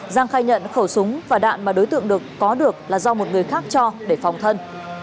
giang khai nhận khẩu súng và đạn mà đối tượng có được là do một người khác cho để phòng thân